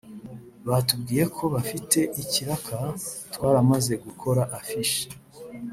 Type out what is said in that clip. Batubwiye ko bafite ikiraka twaramaze gukora affiche